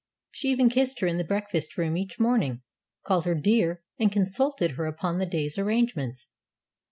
She even kissed her in the breakfast room each morning, called her "dear," and consulted her upon the day's arrangements.